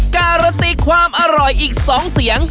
การันตีความอร่อยอีก๒เสียง